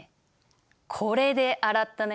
これで洗ったね？